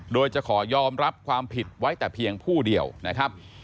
โดยจะขอยอมรับความผิดไว้แต่เพียงผู้เดียวนะครับ